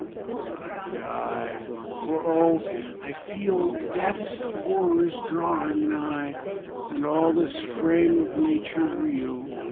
I die! For, oh! I feel Death's horrors drawing nigh, And all this frame of nature reel.